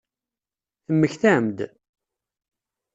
Temmektam-d?